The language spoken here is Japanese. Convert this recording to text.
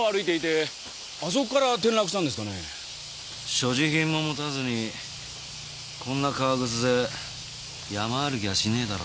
所持品も持たずにこんな革靴で山歩きはしねえだろ。